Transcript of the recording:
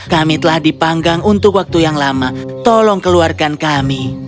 kami telah dipanggang untuk waktu yang lama tolong keluarkan kami